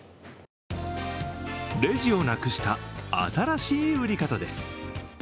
レジをなくした新しい売り方です。